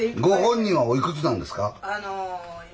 ご本人はおいくつなんですか？